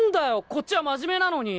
こっちはマジメなのに。